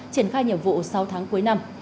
triển khai nhiệm vụ sáu tháng cuối năm